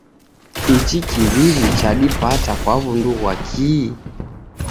Ichi kiw'iw'i chadipata kwa wundu ghwa kihi?